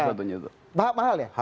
itu mahal fotonya